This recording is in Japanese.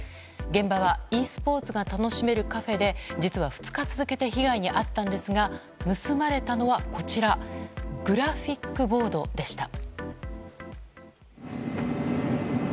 現場はｅスポーツが楽しめるカフェで実は２日続けて被害に遭ったんですが盗まれたのはこちらグラフィックボードでした。